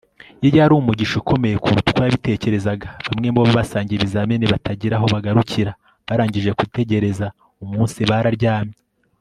ye yari umugisha ukomeye kuruta uko yabitekerezaga. bamwe mubo basangiye ibizamini batagira aho bagarukira barangije gutegereza umunsi bararyamye